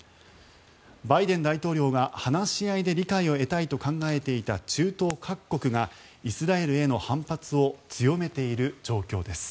バイデン大統領が話し合いで理解を得たいと考えていた中東各国がイスラエルへの反発を強めている状況です。